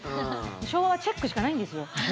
昭和はチェックしかないんですよ。